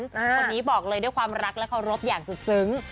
คนนี้บอกเลยด้วยความรักและเคารพอย่างสุดซึ้ง